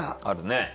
あるね。